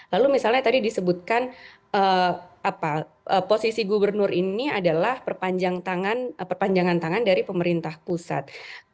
lalu misalnya tadi disebutkan posisi gubernur ini adalah perpanjangan tangan dari pemerintah pusat